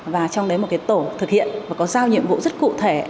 và trong đấy một cái tổ thực hiện mà có giao nhiệm vụ rất cụ thể